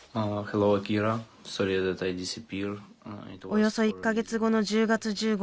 およそ１か月後の１０月１５日